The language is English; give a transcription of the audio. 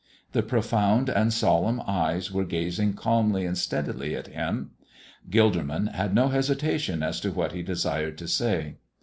The profound and solemn eyes were gazing calmly and steadily at him. Gilderman had no hesitation as to what he desired to say.